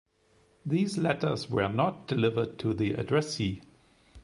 These letters were not delivered to the addressee.